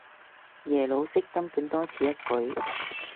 耶魯式根本多此一舉